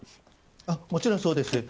もちろんそうです。